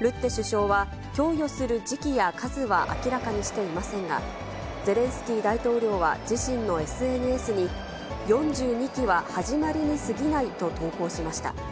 ルッテ首相は、供与する時期や数は明らかにしていませんが、ゼレンスキー大統領は自身のＳＮＳに、４２機は始まりにすぎないと投稿しました。